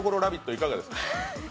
いかがですか？